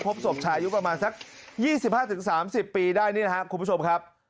พบศพชายุประมาณสักยี่สิบห้าถึงสามสิบปีได้นี่นะฮะคุณผู้ชมครับ